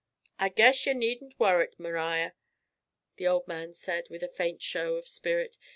'I guess ye needn't worrit, M'riar,' the old man said, with a faint show of spirit.